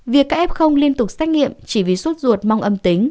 việc các f liên tục xác nghiệm chỉ vì sốt ruột mong âm tính